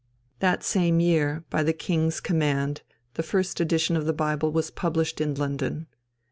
That same year, by the King's command, the first edition of the Bible was published in London.